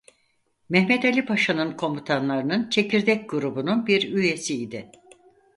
Mehmed Ali Paşa'nın komutanlarının çekirdek grubunun bir üyesiydi.